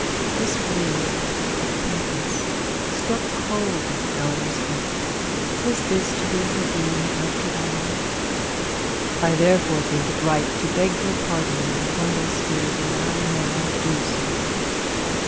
The word acquaintance struck cold on Eleanor's heart. Was this to her doom after all? 'I therefore think it right to beg your pardon in a humble spirit, and I now do so.'